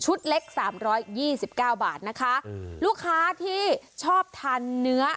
เล็กสามร้อยยี่สิบเก้าบาทนะคะอืมลูกค้าที่ชอบทานเนื้อ